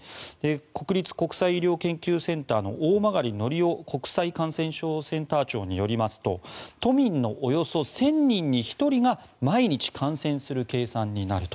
国立国際医療研究センターの大曲貴夫国際感染症センター長によりますと都民のおよそ１０００人に１人が毎日感染する計算になると。